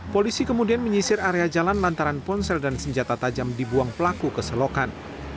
polisi kemudian menyisir area jalan lantaran ponsel dan senjata tajam dibuang pelaku ke selokan